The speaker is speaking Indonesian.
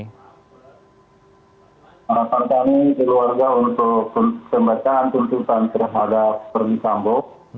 harapan kami keluarga untuk pembacaan tuntutan terhadap feri sambu